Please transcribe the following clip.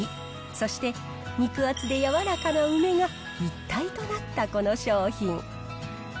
そして、肉厚で柔らかな梅が一体となったこの商品。